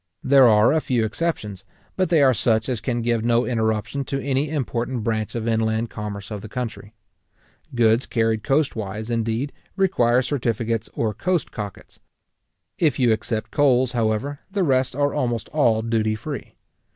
There are a few exceptions, but they are such as can give no interruption to any important branch of inland commerce of the country. Goods carried coastwise, indeed, require certificates or coast cockets. If you except coals, however, the rest are almost all duty free.